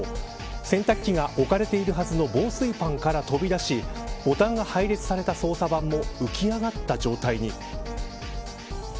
洗濯機が置かれているはずの防水パンから飛び出しボタンが配列された操作盤も浮き上がった状態に。